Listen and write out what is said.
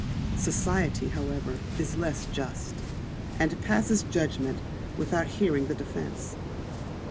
Society, however, is less just, and passes judgment without hearing the defence.